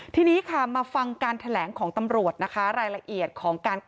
ทีนี้ค่ะมาฟังการแถลงของตำรวจนะคะรายละเอียดของการ